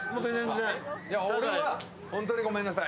俺はホントにごめんなさい。